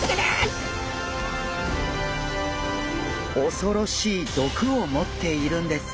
恐ろしい毒を持っているんです。